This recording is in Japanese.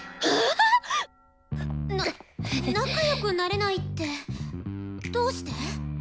仲よくなれないってどうして？